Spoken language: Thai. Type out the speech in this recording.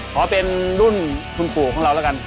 ขอเป็นรุ่นคุณปู่ของเราแล้วกัน